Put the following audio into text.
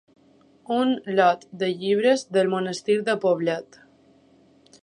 Un lot de llibres del Monestir de Poblet.